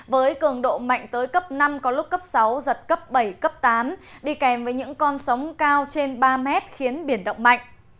với cường độ mạnh tới cấp năm có lúc cấp sáu giật cấp bảy cấp tám đi kèm với những con sóng cao trên ba mét khiến biển động mạnh